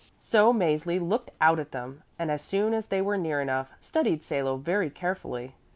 So Mäzli looked out at them, and as soon as they were near enough, studied Salo very carefully.